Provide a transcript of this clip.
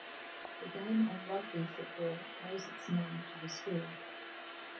The game of Rugby football owes its name to the school.